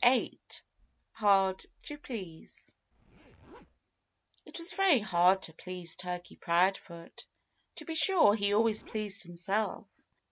VIII HARD TO PLEASE It was very hard to please Turkey Proudfoot. To be sure, he always pleased himself.